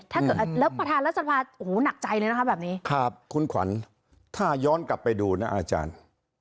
ถ้าเกิดแล้วประธานรัฐสภาโอ้โหหนักใจเลยนะคะแบบนี้ครับคุณขวัญถ้าย้อนกลับไปดูนะอาจารย์